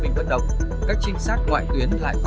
xin chào và hẹn gặp lại